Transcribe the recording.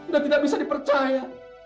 dan tidak bisa dipercaya